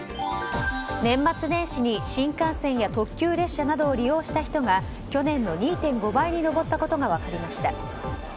年末年始に新幹線や特急列車を利用した人が去年の２．５倍に上ったことが分かりました。